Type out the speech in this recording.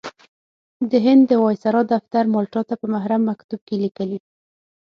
د هند د وایسرا دفتر مالټا ته په محرم مکتوب کې لیکلي.